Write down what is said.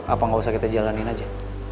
apa nggak usah kita jalanin aja